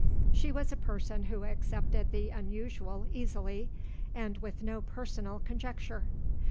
She was a person who accepted the unusual easily and with no personal conjecture.